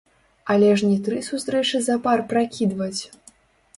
Але ж не тры сустрэчы запар пракідваць!